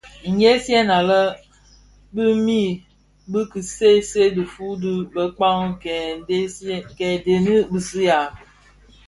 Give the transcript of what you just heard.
Nghisèn anèn bimid bi ki see see dhifuu di bekpag kè dhëňi bisi a.